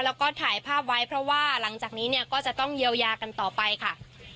แล้วก็ถ่ายภาพไว้เพราะว่าหลังจากนี้เนี่ยก็จะต้องเยียวยากันต่อไปค่ะ